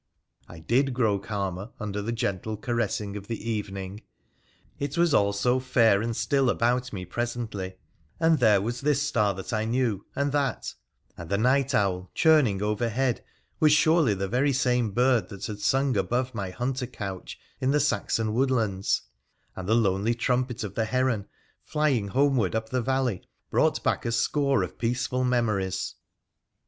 I did grow calmer under the gentle caressing of the evening ; it was all so fair and still about me presently, and there was this star that I knew and that ; and the night owl churning overhead was surely the very same bird that had sung above my hunter couch in the Saxon woodlands ; and the lonely trumpet of the heron, flying homeward up the valley, brought back a score of peaceful memories.